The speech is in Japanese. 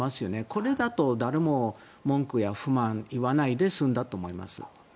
これだと誰も文句や不満を言わないで済んだと思います。